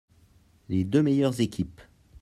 Les deux meilleures équipes.